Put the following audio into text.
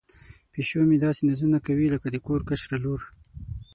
پیشو مې داسې نازونه کوي لکه د کور کشره لور.